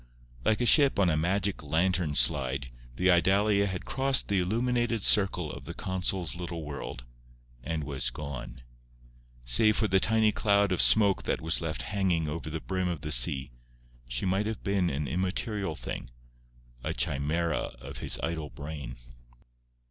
Like a ship on a magic lantern slide the Idalia had crossed the illuminated circle of the consul's little world, and was gone. Save for the tiny cloud of smoke that was left hanging over the brim of the sea, she might have been an immaterial thing, a chimera of his idle brain.